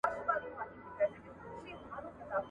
تخفيف په کومو شرعي عذرونو کي راځي؟